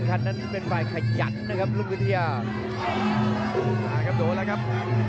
พาท่านผู้ชมกลับติดตามความมันกันต่อครับ